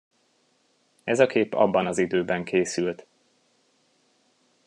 Ez a kép abban az időben készült.